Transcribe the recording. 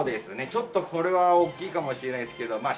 ちょっとこれは大きいかもしれないですけどまあ